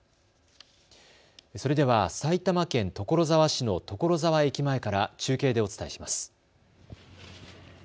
それでは埼玉県所沢市の所沢駅前から中継でお伝えします。